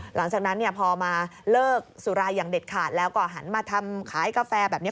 หลังจากนั้นเนี่ยพอมาเลิกสุราอย่างเด็ดขาดแล้วก็หันมาทำขายกาแฟแบบนี้